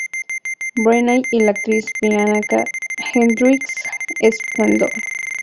Brennan y la actriz Bianca Hendrickse-Spendlove.